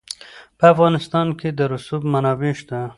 په افغانستان کې د رسوب منابع شته.